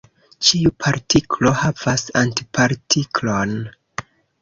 Ĉiu partiklo havas antipartiklon.